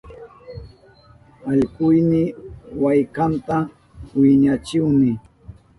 Allkuyni maykanta wiñachihuni.